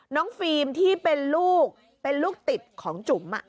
ฟิล์มที่เป็นลูกเป็นลูกติดของจุ๋ม